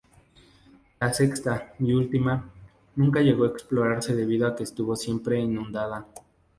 La sexta, y última, nunca llegó a explotarse debido a que estuvo siempre inundada.